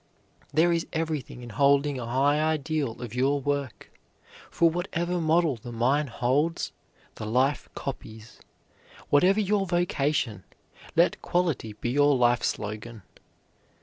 There is everything in holding a high ideal of your work, for whatever model the mind holds, the life copies. Whatever your vocation, let quality be your life slogan.